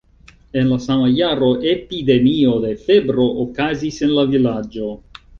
En la sama jaro epidemio de febro okazis en la vilaĝo.